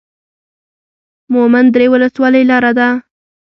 مومند درې ولسوالۍ لاره ده؟